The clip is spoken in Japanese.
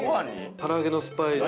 ◆から揚げのスパイスを。